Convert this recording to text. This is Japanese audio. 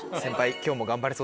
今日３本頑張れそう。